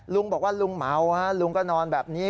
ลุงบอกว่าลุงเมาฮะลุงก็นอนแบบนี้